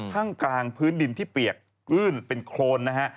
กลางพื้นดินที่เปียกลื้นเป็นโครนนะฮะ